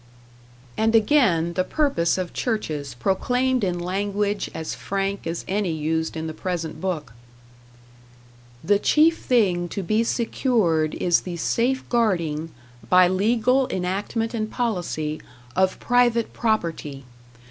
And again, the purpose of churches proclaimed in language as frank as any used in the present book: The chief thing to be secured is the safe guarding, by legal enactment and policy, of private property.